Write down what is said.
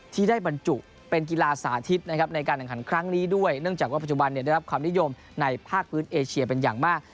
ที่ได้บรรจุเป็นกีฬาสาธิตนะครับในการแข่งขันครั้งนี้ด้วยเนื่องจากว่าปัจจุบันได้รับความนิยมในภาคพื้นเอเชียเป็นอย่างมาก